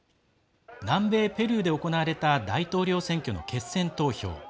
南米ペルーで行われた大統領選挙の決選投票。